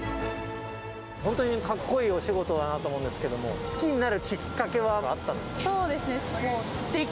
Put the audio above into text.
本当にかっこいいお仕事だなと思うんですけれども、好きになるきっかけは何かあったんですか？